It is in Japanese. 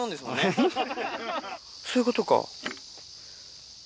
そういうことか。